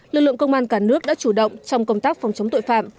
lực lượng công an cả nước đã chủ động trong công tác phòng chống tội phạm